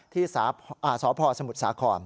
ที่สพสมุทรสาคร